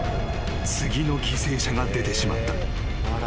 次の犠牲者が出てしまった］